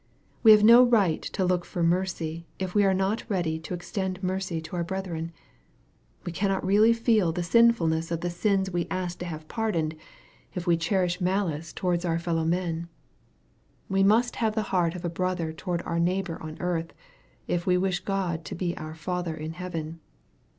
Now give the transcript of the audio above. We have no right to look for mercy, if we are not ready to extend mercy to our brethren. We cannot really feei the sinfulness of the sina we ask to have pardoned it' we 440 EXPOSITORY THOUGHTS. cherish malice towards our fellow men. We must the heart of a brother toward our neighbor on earth, if we wish God to be our Father in heaven.